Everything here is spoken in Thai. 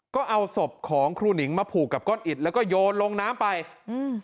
ก็เอาศพของครูหนิงมาผูกกับก้อนอิดแล้วก็โยนลงน้ำไปอืม